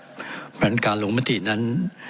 เพราะฉะนั้นการลงมตินั้น